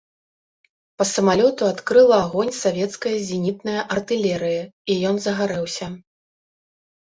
Па самалёту адкрыла агонь савецкая зенітная артылерыя, і ён загарэўся.